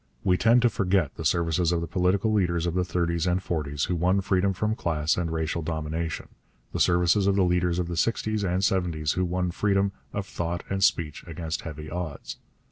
We tend to forget the services of the political leaders of the thirties and forties who won freedom from class and racial domination, the services of the leaders of the sixties and seventies who won freedom of thought and speech against heavy odds.